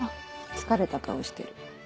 疲れた顔してる。